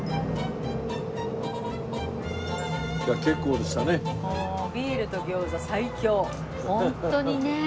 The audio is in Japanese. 結構でしたね。